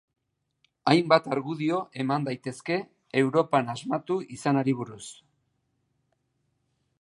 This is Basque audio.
Hainbat argudio eman daitezke Europan asmatu izanari buruz.